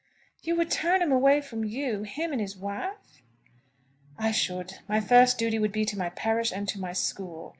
"You would turn him away from you; him and his wife?" "I should. My first duty would be to my parish and to my school.